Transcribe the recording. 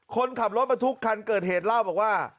คนขับรถบรรทุกคันเกิดเหตุเล่าบอกว่า